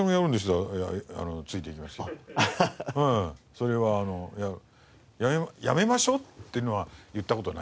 それはあのやめましょうっていうのは言った事ないですよ。